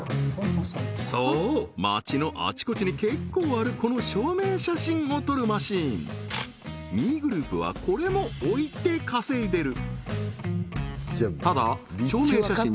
そう街のあちこちに結構あるこの証明写真を撮るマシンＭＥＧｒｏｕｐはこれも置いて稼いでる